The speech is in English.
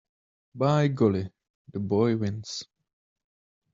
By golly, the boy wins.